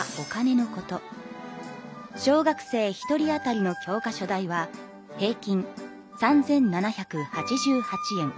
小学生１人あたりの教科書代は平均３，７８８円。